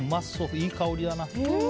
いい香りだな。